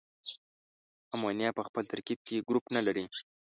امونیا په خپل ترکیب کې ګروپ نلري.